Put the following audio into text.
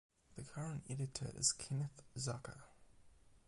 The current editor is Kenneth Zucker.